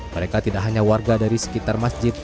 mereka tidak hanya warga dari sekitar masjid